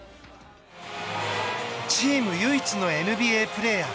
チーム唯一のＮＢＡプレーヤー